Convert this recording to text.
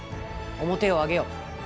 面を上げよ。